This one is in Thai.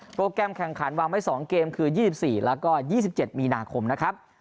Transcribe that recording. แกรมแข่งขันวางไว้๒เกมคือ๒๔แล้วก็๒๗มีนาคมนะครับ